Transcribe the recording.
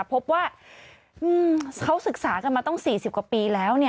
พบว่าเขาศึกษากันมาตั้ง๔๐กว่าปีแล้ว